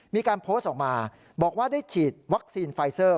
มีการโพสต์ออกมาบอกว่าได้ฉีดวัคซีนไฟเซอร์